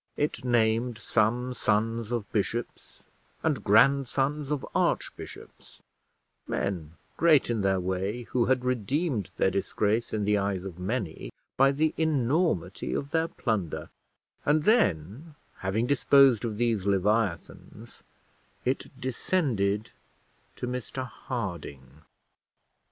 It named some sons of bishops, and grandsons of archbishops; men great in their way, who had redeemed their disgrace in the eyes of many by the enormity of their plunder; and then, having disposed of these leviathans, it descended to Mr Harding.